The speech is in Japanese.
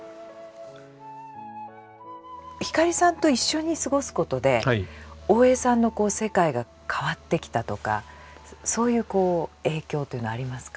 光さんと一緒に過ごすことで大江さんの世界が変わってきたとかそういう影響というのはありますか？